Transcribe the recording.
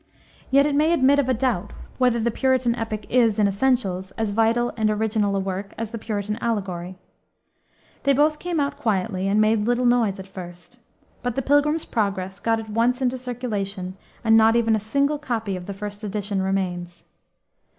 Yet it may admit of a doubt, whether the Puritan epic is, in essentials, as vital and original a work as the Puritan allegory. They both came out quietly and made little noise at first. But the Pilgrim's Progress got at once into circulation, and not even a single copy of the first edition remains.